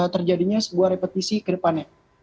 terjadinya sebuah repetisi ke depannya